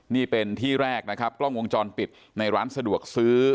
นี่เป็นที่แรกนะครับกล้องวงจรปิดในร้านสะดวกซื้อ